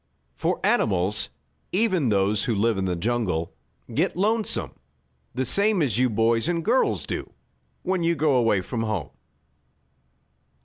For animals, even those who live in the jungle, get lonesome, the same as you boys and girls do when you go away from home.